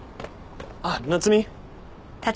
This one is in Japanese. あっ夏海。